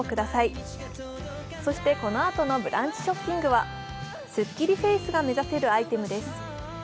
そしてこのあとの「ブランチショッピング」はスッキリフェイスが目指せるアイテムです。